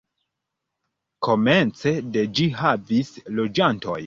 Komence de ĝi havis loĝantojn.